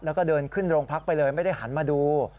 แล้วก็เดินขึ้นโรงพักไปเลยไม่ได้หันมาดู